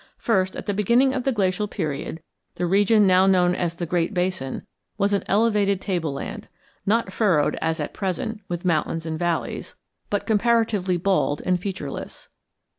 First, at the beginning of the glacial period the region now known as the Great Basin was an elevated tableland, not furrowed as at present with mountains and valleys, but comparatively bald and featureless.